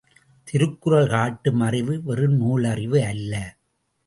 திருக்குறள் காட்டும் அறிவு வெறும் நூலறிவு அல்ல.